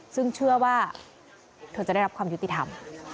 ซึ่งเชื่อว่าเธอจะได้รับความยุติธรรม